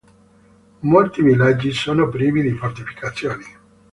Molti villaggi sono privi di fortificazioni.